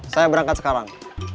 saya berangkat sekarang